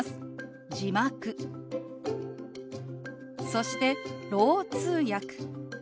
そして「ろう通訳」。